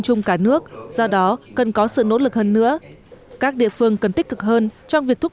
chung cả nước do đó cần có sự nỗ lực hơn nữa các địa phương cần tích cực hơn trong việc thúc